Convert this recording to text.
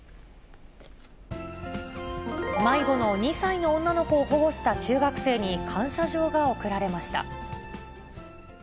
迷子の２歳の女の子を保護した中学生に感謝状が贈られました。